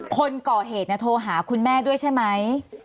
คนเกาะเหตุเนี่ยโทรหาคุณแม่ด้วยใช่ไหม